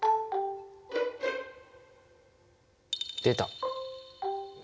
出た。